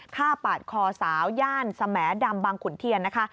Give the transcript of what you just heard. ฆ่าปาดคอสาวย่านสแหมดำบางขุนเทียนนะคะ